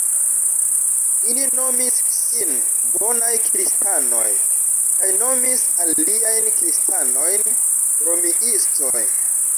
Ili nomis sin "Bonaj Kristanoj" kaj nomis aliajn kristanojn "Romiistoj".